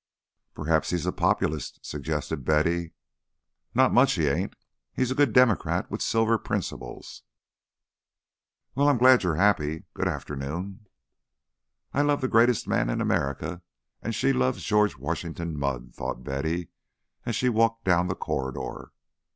"Perhaps he's a Populist," suggested Betty. "Not much he ain't. He's a good Democrat with Silver principles." "Well, I'm glad you're happy. Good afternoon." "I love the greatest man in America and she loves George Washington Mudd," thought Betty, as she walked down the corridor.